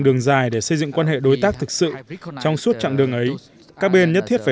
đường dài để xây dựng quan hệ đối tác thực sự trong suốt chặng đường ấy các bên nhất thiết phải